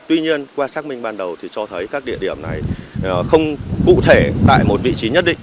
tuy nhiên qua xác minh ban đầu thì cho thấy các địa điểm này không cụ thể tại một vị trí nhất định